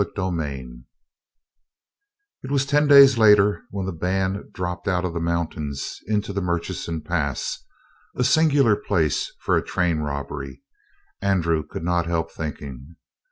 CHAPTER 35 It was ten days later when the band dropped out of the mountains into the Murchison Pass a singular place for a train robbery, Andrew could not help thinking.